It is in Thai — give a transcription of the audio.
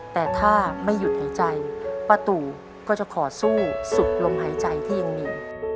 แต่ถ้าไม่หยุดหายใจป้าตู่ก็จะขอสู้สุดลมหายใจที่ยังมี